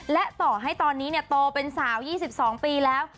และต่อให้ตอนนี้โตเป็นสาว๒๒ปีแล้ว